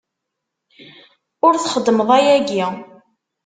Ur txeddmeḍ ayagi!